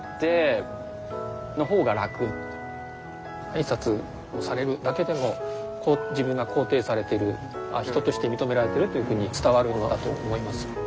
挨拶をされるだけでも自分が肯定されてる人として認められてるっていうふうに伝わるんだと思います。